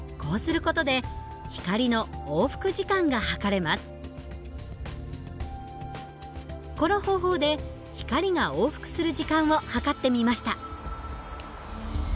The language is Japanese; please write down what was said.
この方法で光が往復する時間を計ってみました。